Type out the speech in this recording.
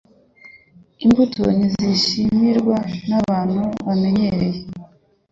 Imbuto ntizishimirwa na bantu bamenyereye